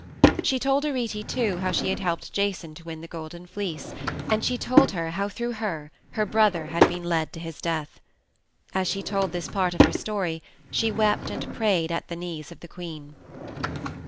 She told Arete, too, how she had helped Jason to win the Golden Fleece, and she told her how through her her brother had been led to his death. As she told this part of her story she wept and prayed at the knees of the queen.